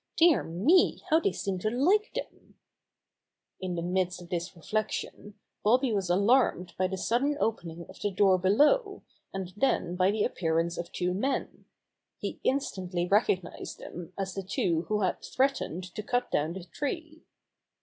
Dear me, how they seem to like them !" In the midst of this reflection, Bobby was alarmed by the sudden opening of the door below, and then by the appearance of two men. He instantly recognized them as the two who had threatened to cut down the tree.